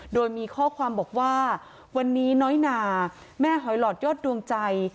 โดยมีข้อความบอกว่าวันนี้น้อยนาแม่หอยหลอดยอดดวงใจ